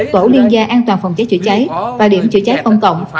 tổ liên gia an toàn phòng cháy chữa cháy và điểm chữa cháy công cộng